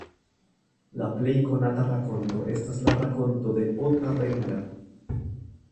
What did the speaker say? La plej konata rakonto estas la rakonto de Ota Benga.